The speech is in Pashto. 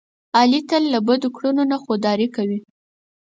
علي تل له بدو کړنو نه خوداري کوي.